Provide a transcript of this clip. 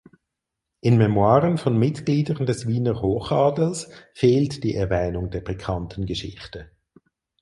In Memoiren von Mitgliedern des Wiener Hochadels fehlt die Erwähnung der pikanten Geschichte.